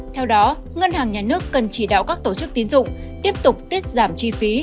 theo đó ngân hàng nhà nước cần chỉ đạo các tổ chức tín dụng tiếp tục tiết giảm chi phí